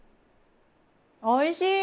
おいしい！